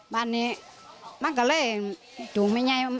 บ้านนี้ที่ก็เลยจุงไม่ไง